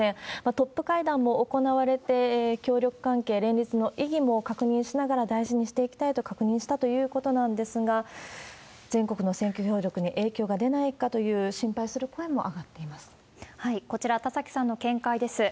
トップ会談も行われて、協力関係、連立の意義も確認しながら大事にしていきたいと確認したということなんですが、全国の選挙協力に影響が出ないかという心配する声も上がっていまこちら、田崎さんの見解です。